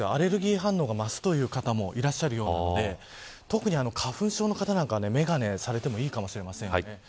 アレルギー反応が増すという方もいらっしゃるようなので特に花粉症の方は眼鏡されてもいいかもしれません。